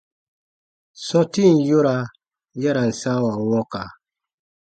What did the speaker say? Sɔ̃tin yora ya ra n sãawa wɔ̃ka.